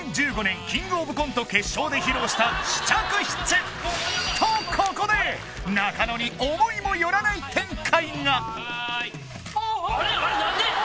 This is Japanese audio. ２０１５年キングオブコント決勝で披露した「試着室」とここで中野に思いもよらない展開がはーいあれなんで？